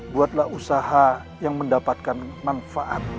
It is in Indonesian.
buatlah usaha yang mendapatkan manfaat